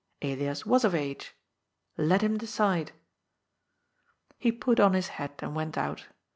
Elias was of age. Let him decide. He put on his hat, and went out.